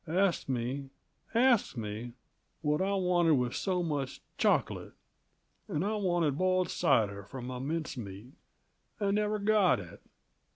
Asked me asked me, what I wanted with so much choc'late. And I wanted boiled cider for m' mince meat, and never got it.